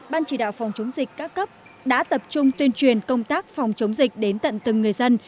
ban chỉ đạo phòng chống dịch các cấp đã tập trung tuyên truyền công tác phòng chống dịch đến tận từng người dân